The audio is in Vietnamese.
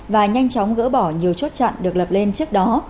và nhanh chóng gỡ bỏ nhiều chốt chặn được lập lên trước đó